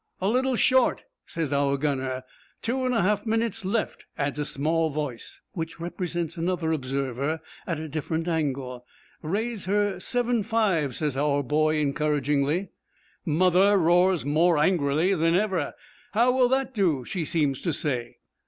'A little short,' says our gunner. 'Two and a half minutes left,' adds a little small voice, which represents another observer at a different angle. 'Raise her seven five,' says our boy encouragingly. 'Mother' roars more angrily than ever. 'How will that do?' she seems to say.